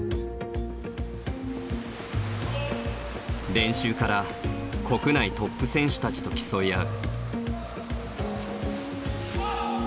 練習から国内トップ選手たちと競い合う。